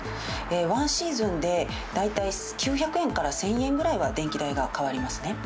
ワンシーズンで大体９００円から１０００円ぐらいは電気代が変わりますね。